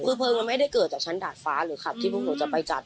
คือเพลิงมันไม่ได้เกิดจากชั้นดาดฟ้าหรือขับที่พวกหนูจะไปจัด